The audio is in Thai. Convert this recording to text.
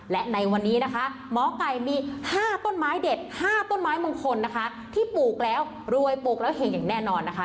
และในวันนี้นะคะหมอไก่มี๕ต้นไม้เด็ด๕ต้นไม้มงคลนะคะที่ปลูกแล้วรวยปลูกแล้วเห็งอย่างแน่นอนนะคะ